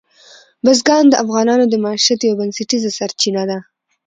بزګان د افغانانو د معیشت یوه بنسټیزه سرچینه ده.